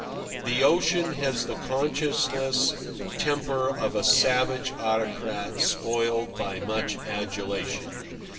The ocean has the conscienceless temper of a savage autocrat spoiled by much adulation.